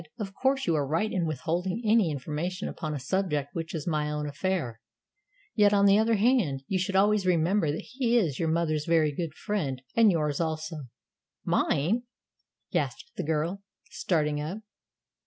"Of course you are right in withholding any information upon a subject which is my own affair; yet, on the other hand, you should always remember that he is your mother's very good friend and yours also." "Mine!" gasped the girl, starting up.